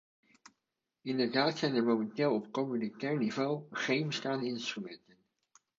Inderdaad zijn er momenteel op communautair niveau geen bestaande instrumenten.